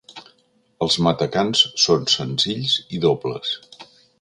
Els matacans són senzills i dobles.